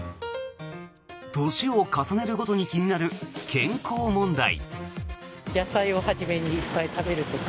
年を重ねるごとに気になる健康問題。